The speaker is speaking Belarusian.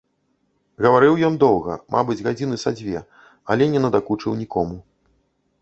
Гаварыў ён доўга, мабыць, гадзіны са дзве, але не надакучыў нікому.